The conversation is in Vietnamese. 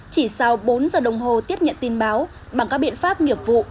chỉ sau bốn giờ đồng hồ tiếp nhận tin báo bằng các biện pháp nghiệp vụ